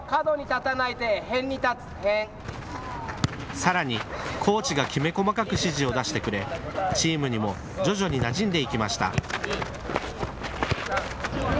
さらにコーチがきめ細かく指示を出してくれ、チームにも徐々になじんでいきました。